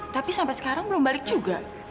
tapi sampai sekarang belum balik juga